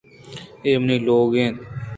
اے منی لوگ اِنت